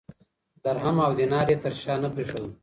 درهم او دینار یې تر شا نه پرېښودل.